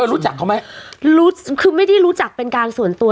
รู้จักเขาไหมรู้คือไม่ได้รู้จักเป็นการส่วนตัว